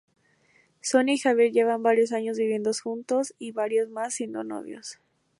Sonia y Javier llevan varios años viviendo juntos y varios más siendo novios.